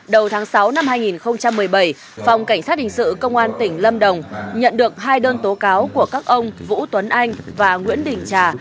đầu tháng sáu năm hai nghìn một mươi bảy phòng cảnh sát hình sự công an tỉnh lâm đồng nhận được hai đơn tố cáo của các ông vũ tuấn anh và nguyễn đình trà